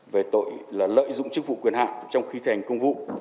về tội lợi dụng chức vụ quyền hạn trong khi thi hành công vụ